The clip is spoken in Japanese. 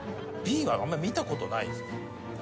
Ｂはあんまり見た事ないですね。